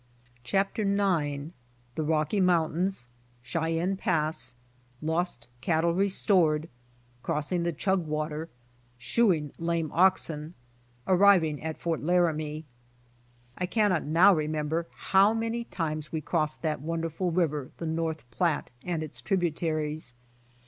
CHAPTER IX. THE ROCKY MOUNTAINS. — CHEYENNE PASS. — LOST CATTLE RESTORED. — CROSSING THE CHUGWATER. — SHOEING LAME OXEN. — ARRIVING AT FORT LARAMIE. I CANNOT now remember how many times we crossed that wonderful river, the North Platte and its tributaries.